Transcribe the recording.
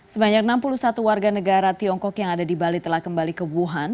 sebanyak enam puluh satu warga negara tiongkok yang ada di bali telah kembali ke wuhan